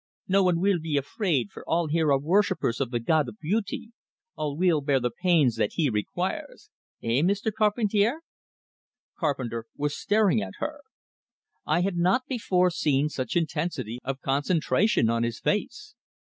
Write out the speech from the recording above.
No one weel be afraid, for all here are worshippers of the god of beautee all weel bear the pains that he requires. Eh, Meester Carpentair?" Carpenter was staring at her. I had not before seen such intensity of concentration on his face.